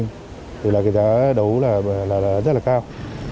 cụ thể là giá đất bị để lên quá là cao